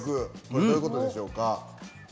これ、どういうことでしょうか？